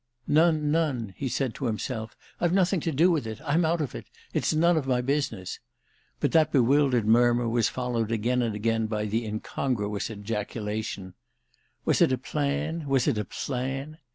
"None, none," he said to himself. "I've nothing to do with it. I'm out of it—it's none of my business." But that bewildered murmur was followed again and again by the incongruous ejaculation: "Was it a plan—was it a plan?"